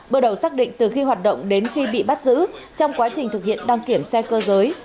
bước đầu xác định từ khi hoạt động đến khi bị bắt giữ trong quá trình thực hiện đăng kiểm xe cơ giới